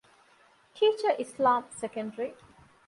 ޓީޗަރ އިސްލާމް، ސެކަންޑްރީ